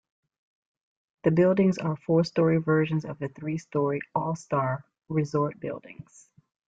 The buildings are four-story versions of the three-story All-Star Resort buildings.